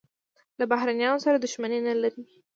له بهرنیانو سره دښمني نه لري.